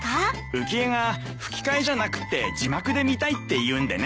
浮江が吹き替えじゃなくて字幕で見たいって言うんでね。